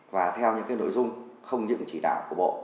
và theo những nội dung không những chỉ đạo của bộ